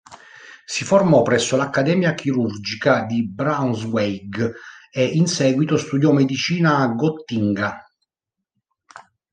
Si formò presso l'accademia chirurgica di Braunschweig, e in seguito studiò medicina a Gottinga.